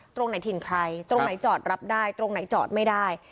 ตรงไหนถิ่นใครตรงไหนจอดรับได้ตรงไหนจอดไม่ได้